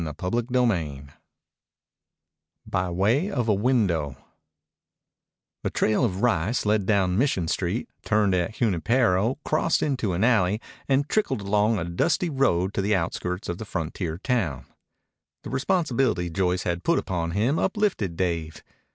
CHAPTER VI BY WAY OF A WINDOW The trail of rice led down Mission Street, turned at Junipero, crossed into an alley, and trickled along a dusty road to the outskirts of the frontier town. The responsibility Joyce had put upon him uplifted Dave.